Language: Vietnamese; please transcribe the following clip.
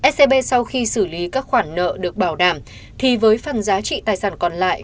scb sau khi xử lý các khoản nợ được bảo đảm thì với phần giá trị tài sản còn lại